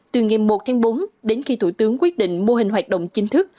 từ ngày một tháng bốn đến khi thủ tướng quyết định mô hình hoạt động chính thức